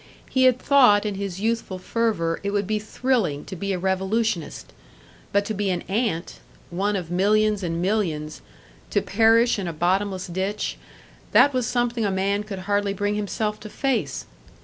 He had thought in his youthful fervour it would be thrilling to be a revolutionist; but to be an ant, one of millions and millions, to perish in a bottomless ditch that was something a man could hardly bring himself to face!